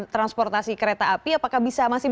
transportasi kereta api apakah bisa masih